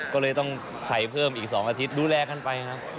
ก็เลยต้องใส่เพิ่มอีก๒อาทิตย์ดูแลกันไปครับ